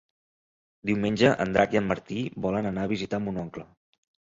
Diumenge en Drac i en Martí volen anar a visitar mon oncle.